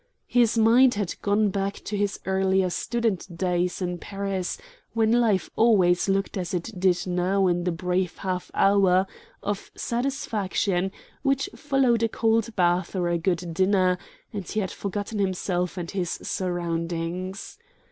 His mind had gone back to his earlier student days in Paris, when life always looked as it did now in the brief half hour of satisfaction which followed a cold bath or a good dinner, and he had forgotten himself and his surroundings.